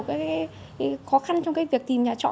cái khó khăn trong việc tìm nhà trọ